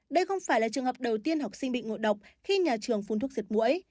đây không phải là trường hợp đầu tiên học sinh bị ngộ độc khi nhà trường phun thuốc diệt mũi